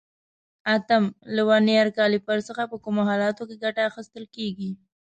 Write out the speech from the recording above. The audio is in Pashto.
اتم: له ورنیر کالیپر څخه په کومو حالاتو کې ګټه اخیستل کېږي؟